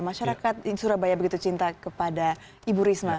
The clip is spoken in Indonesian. masyarakat surabaya begitu cinta kepada ibu risma